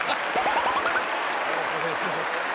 「すいません失礼します。